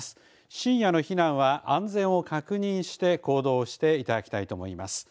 深夜の避難は安全を確認して行動をしていただきたいと思います。